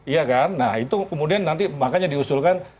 iya kan nah itu kemudian nanti makanya diusulkan